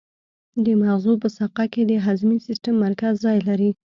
د مغزو په ساقه کې د هضمي سیستم مرکز ځای لري.